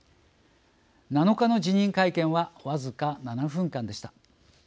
７日の辞任会見は僅か７分間でした。